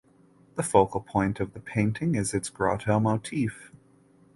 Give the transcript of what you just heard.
The focal point of the painting is its grotto motif.